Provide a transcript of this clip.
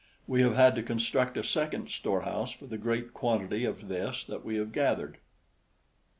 We have had to construct a second store house for the great quantity of this that we have gathered.